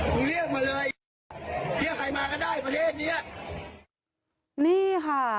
เรียกมาเลยเรียกใครมาก็ได้ประเทศเนี้ยนี่ค่ะ